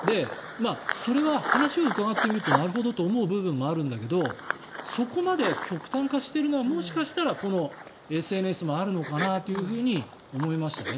それは話を伺ってみるとなるほどと思う部分もあるんだけどそこまで極端化しているのはもしかしたらこのＳＮＳもあるのかなと思いましたね。